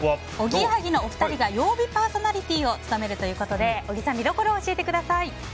おぎやはぎのお二人が曜日パーソナリティーを務めるということで小木さん、見どころを教えてください。